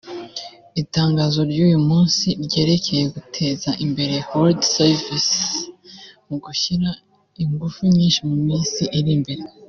Itangazo ry’uyu musi ryerekeye guteza imbere World Service mu gushyira ingufu nyinshi mu minsi iri imbere